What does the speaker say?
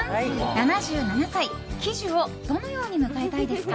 ７７歳、喜寿をどのように迎えたいですか？